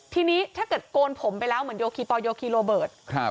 ทีนี้ถ้าเกิดโกนผมไปแล้วเหมือนโยคีปอลโยคีโรเบิร์ต